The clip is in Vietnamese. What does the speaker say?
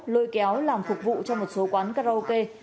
lôi kéo làm phục vụ cho một số quán karaoke